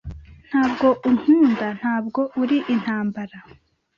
Ntabwo unkunda ntabwo uri intambara